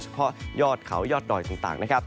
เพาะยอดเขายอดดอยต่างนะครับ